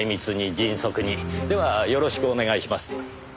ではよろしくお願いします。